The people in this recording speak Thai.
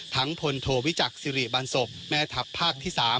พลโทวิจักษ์สิริบันศพแม่ทัพภาคที่๓